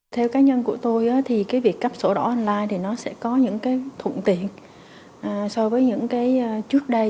theo cá nhân của tôi thì việc cắp sổ đỏ online thì nó sẽ có những thụ tiện so với những cái trước đây